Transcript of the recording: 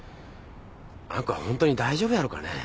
あの子はホントに大丈夫やろかね？